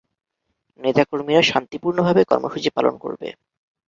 নেতা কর্মীরা শান্তিপূর্ণভাবে কর্মসূচি পালন করবে।